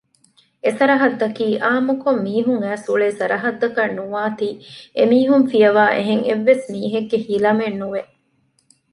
އެސަރަހައްދަކީ އާންމުކޮށް މީހުން އައިސްއުޅޭ ސަރަހައްދަކަށް ނުވާތީ އެމީހުން ފިޔަވާ އެހެން އެއްވެސް މީހެއްގެ ހިލަމެއް ނުވެ